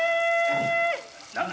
何だ？